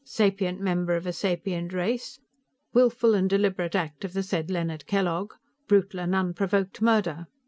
sapient member of a sapient race ... willful and deliberate act of the said Leonard Kellogg ... brutal and unprovoked murder."